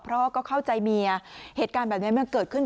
เพราะก็เข้าใจเมียเหตุการณ์แบบนี้มันเกิดขึ้น